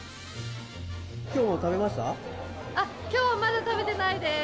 あっ、きょうはまだ食べてないです。